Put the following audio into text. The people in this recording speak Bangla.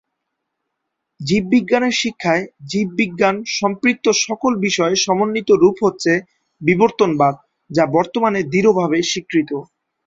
জীববিজ্ঞানের শিক্ষায়, জীববিজ্ঞান সম্পৃক্ত সকল বিষয়ের সমন্বিত রুপ হচ্ছে বিবর্তনবাদ, যা বর্তমানে দৃঢ়ভাবে স্বীকৃত।